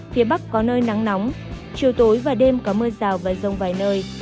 phía bắc có nơi nắng nóng chiều tối và đêm có mưa rào và rông vài nơi